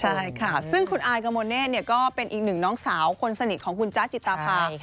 ใช่ค่ะซึ่งคุณอายกมลเนธก็เป็นอีกหนึ่งน้องสาวคนสนิทของคุณจ๊ะจิตาภา